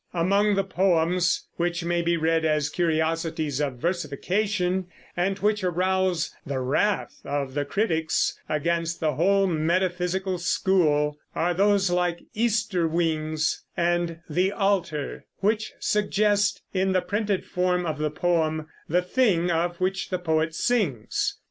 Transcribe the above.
Among the poems which may be read as curiosities of versification, and which arouse the wrath of the critics against the whole metaphysical school, are those like "Easter Wings" and "The Altar," which suggest in the printed form of the poem the thing of which the poet sings.